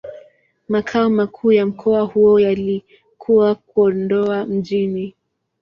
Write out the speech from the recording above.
Makao makuu ya mkoa huo yalikuwa Kondoa Mjini.